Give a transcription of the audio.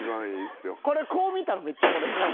これこう見たらめっちゃおもろい。